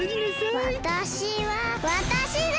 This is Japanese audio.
わたしはわたしだ！